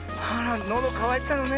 のどかわいてたのね。